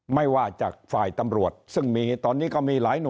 ไม่ว่าจากฝ่ายตำรวจซึ่งมีตอนนี้ก็มีหลายหน่วย